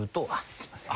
すいません。